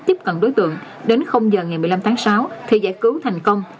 tiếp cận đối tượng đến giờ ngày một mươi năm tháng sáu thì giải cứu thành công